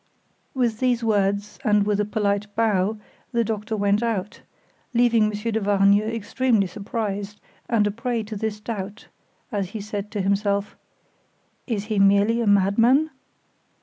With these words, and with a polite bow, the doctor went out, leaving Monsieur de Vargnes extremely surprised, and a prey to this doubt, as he said to himself: "Is he merely a madman?